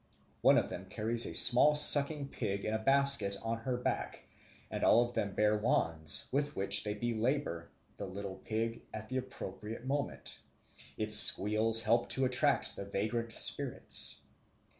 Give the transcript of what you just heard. One of them carries a small sucking pig in a basket on her back; and all of them bear wands, with which they belabour the little pig at the appropriate moment; its squeals help to attract the vagrant spirits.